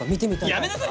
やめなさい！